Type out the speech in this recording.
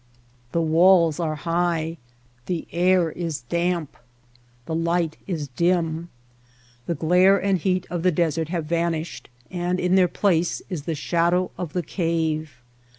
The walls are high, the air is damp, the light is dim. The glare and heat of the desert have vanished and in their place is the shadow of the cave.